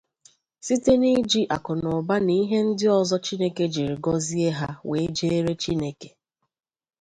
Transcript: site n'iji akụnụba na ihe ndị ọzọ Chineke jiri gọzie ha wee jeere Chineke